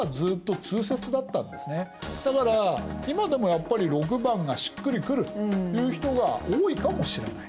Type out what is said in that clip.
だから今でもやっぱり⑥がしっくりくるという人が多いかもしれない。